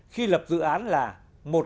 khi đổi tổng số